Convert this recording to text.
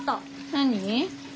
何？